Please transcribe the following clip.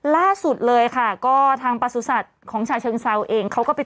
ล่าสุดเลยค่ะก็ทางปสุศทของชาเชึงซาวเองเขาก็ไป